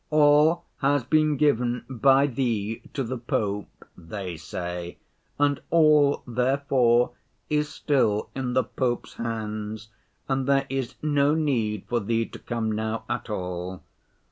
'All has been given by Thee to the Pope,' they say, 'and all, therefore, is still in the Pope's hands, and there is no need for Thee to come now at all.